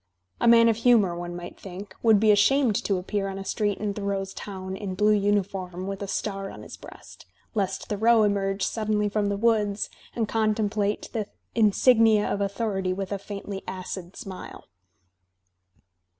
A man of humour, one might think, would be ashamed to appear on a street in Thoreau's town in blue uniform with a star on his breajst, lest Thoreau emerge suddenly from the woods and contem plate the insignia of authority with a faintly add smile.